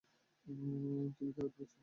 তুমি কি আঘাত পেয়েছো?